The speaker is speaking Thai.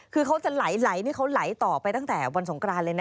คือเขาจะไหลนี่เขาไหลต่อไปตั้งแต่วันสงกรานเลยนะ